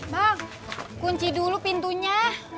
bang kunci dulu pintunya